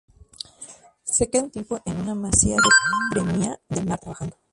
Se queda un tiempo en una masía de Premiá de Mar, trabajando.